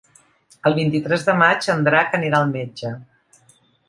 El vint-i-tres de maig en Drac anirà al metge.